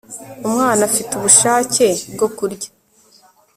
umwana afite ubushake bwo kurya